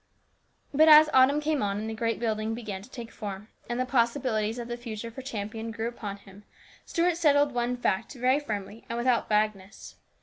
But as the autumn came on and the great build ing began to take form, and the possibilities of the future for Champion grew upon him, Stuart settled f"bne fact very firmly and without vagueness.